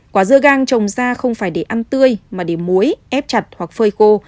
quả dưa gang trồng ra không phải để ăn tươi mà để muối ép chặt hoặc phơi khô